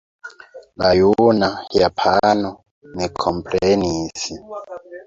La juna japano ne komprenis.